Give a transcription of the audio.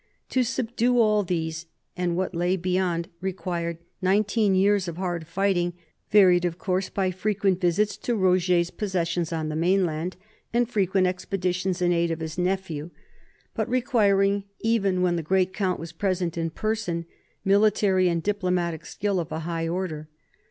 To subdue all these and what lay between required nineteen years of hard fighting, varied, of course, by frequent visits to Roger's possessions on the mainland and frequent ex peditions in aid of his nephew, but requiring, even when the great count was present in person, military and diplomatic skill of a high order.